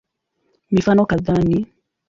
Mifano kadhaa ni